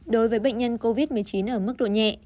đối với bệnh nhân covid một mươi chín ở mức độ nhẹ